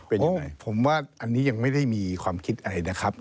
ผมว่าอันนี้ยังไม่ได้มีความคิดอะไรนะครับ